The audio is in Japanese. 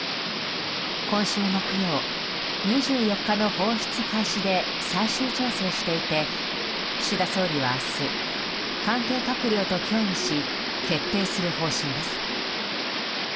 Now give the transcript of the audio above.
今週木曜２４日の放出開始で最終調整していて岸田総理は明日関係閣僚と協議し決定する方針です。